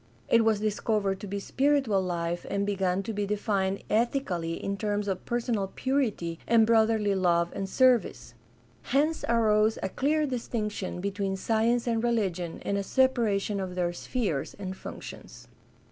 It was discovered to be spiritual life and began to be defined ethically in terms of personal purity and broth erly love and service. Hence arose a clear distinction between science and religion and a separation of their spheres and functions.